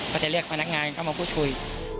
พอจะเลือกพนักงานเข้ามาพุธถุย